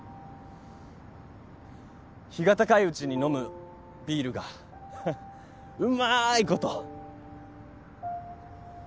日が高いうちに飲むビールがははっうまいこと。